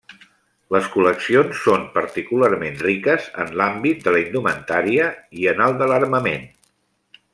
Les col·leccions són particularment riques en l'àmbit de la indumentària i en el de l'armament.